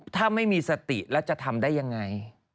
ถ้าไม่มีสติแล้วจะทำได้ยังไง